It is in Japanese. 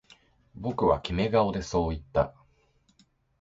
僕はキメ顔でそう言った